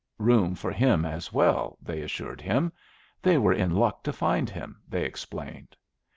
Room for him as well, they assured him; they were in luck to find him, they explained.